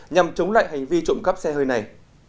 nhằm chống lại hành vi trộm cắp xe hơi này